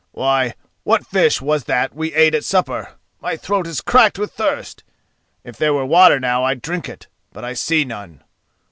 "Why, what fish was that we ate at supper? My throat is cracked with thirst! If there were water now I'd drink it, but I see none.